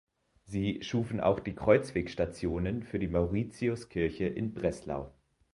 Sie schufen auch die Kreuzwegstationen für die Mauritiuskirche in Breslau.